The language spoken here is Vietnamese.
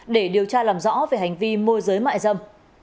để điều tra làm rõ về hành vi môi giới mại dâm